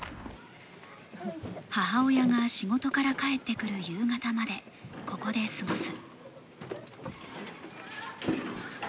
母親が仕事から帰ってくる夕方まで、ここで過ごす。